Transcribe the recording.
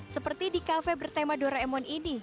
seperti di kafe bertema doraemon ini